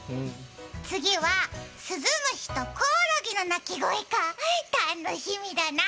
次は、スズムシとコオロギの鳴き声か、楽しみだな。